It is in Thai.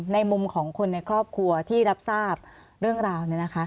ในมุมของคนในครอบครัวที่รับทราบเรื่องราว